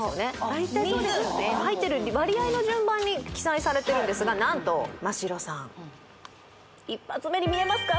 大体そうですよね入ってる割合の順番に記載されてるんですが何とマ・シロさん一発目に見えますか？